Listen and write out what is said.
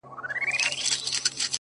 د شېخانو د ټگانو؛ د محل جنکۍ واوره؛